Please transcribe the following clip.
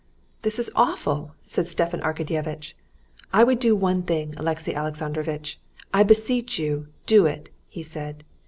"This is awful!" said Stepan Arkadyevitch. "I would do one thing, Alexey Alexandrovitch. I beseech you, do it!" he said.